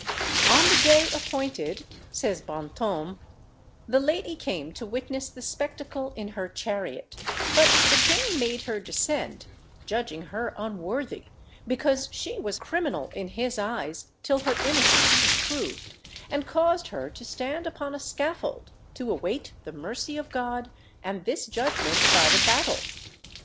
"On the day appointed," says Brantôme, "the lady came to witness the spectacle in her chariot; but the king made her descend, judging her unworthy, because she was criminal in his eyes till her innocence was proved, and caused her to stand upon a scaffold to await the mercy of God and this judgment by the battle.